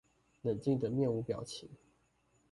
冷靜地面無表情